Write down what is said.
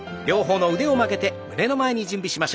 両方の腕を曲げて胸の前に。